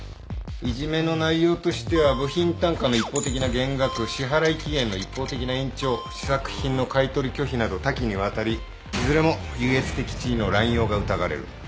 いじめの内容としては部品単価の一方的な減額支払い期限の一方的な延長試作品の買い取り拒否など多岐にわたりいずれも優越的地位の濫用が疑われる